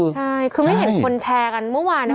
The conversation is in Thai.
ใช่คือไม่เห็นคนแชร์กันเมื่อวาน